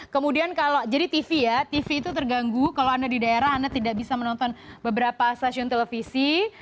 kemudian kalau jadi tv ya tv itu terganggu kalau anda di daerah anda tidak bisa menonton beberapa stasiun televisi